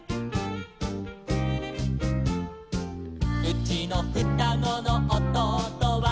「うちのふたごのおとうとは」